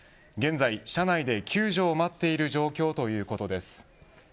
現在、車内で救助を待っている状況ということです。